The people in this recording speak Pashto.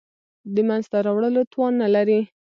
د منځته راوړلو توان نه لري.